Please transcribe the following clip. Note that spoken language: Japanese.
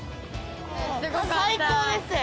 最高です。